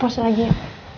pause lagi ya